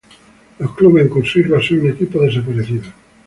Los clubes en cursiva son equipos desaparecidos.